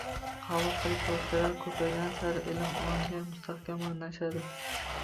Qabul qilish vositalari ko‘paygani sari ilm ongga mustahkam o‘rnashadi.